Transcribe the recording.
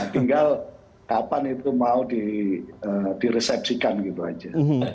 tinggal kapan itu mau diresepsikan gitu aja